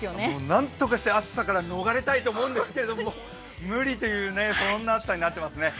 何とかして暑さから逃れたいと思うんですけど、無理という、そんな暑さになっていますね。